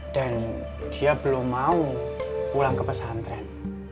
dan dia belum mau pulang ke pesantren